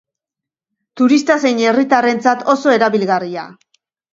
Turista zein herritarrentzat oso erabilgarria.